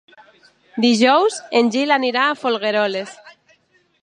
Dijous en Gil anirà a Folgueroles.